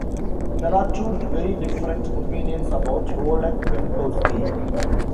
There are two very different opinions about Oleg Penkovsky.